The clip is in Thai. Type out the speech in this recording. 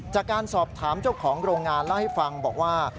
จากการสอบถามเจ้าของโรงงานเล่าให้ฟังบอกว่า